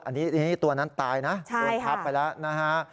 อันนี้ตัวนั้นตายนะโดนทับไปแล้วนะฮะ